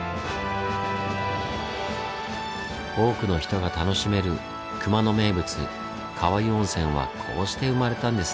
多くの人が楽しめる熊野名物川湯温泉はこうして生まれたんですねぇ。